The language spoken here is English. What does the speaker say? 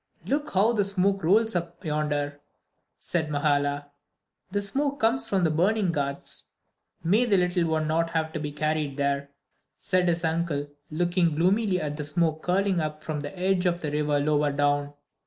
"Look how the smoke rolls up yonder," said Mahala. "The smoke comes from the burning 'ghats.' May the little one not have to be carried there," said his uncle, looking gloomily at the smoke curling up from the edge of the river lower down.